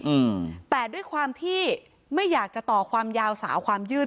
อืมแต่ด้วยความที่ไม่อยากจะต่อความยาวสาวความยืด